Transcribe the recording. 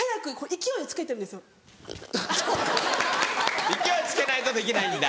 勢いつけないとできないんだ。